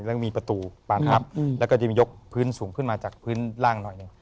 แล้วก็มีประตูปานทับแล้วก็จะยกพื้นสูงขึ้นมาจากพื้นล่างหน่อยหนึ่ง